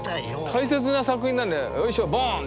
大切な作品なんでよいしょボーンッて。